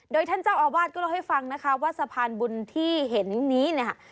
โดยท่านเจ้าอาวาสก็เล่าให้ฟังนะคะว่าสะพานบุญที่เห็นนี้เนี่ย